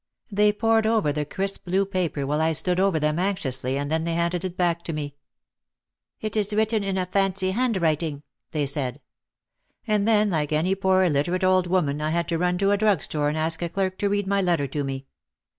They pored over the crisp blue paper while I stood over them anxiously and then they handed it back to me. "It is written in a 'fancy* handwriting," they said. And then like any poor illiterate old woman I had to run to a drug store and ask a clerk to read my letter to me.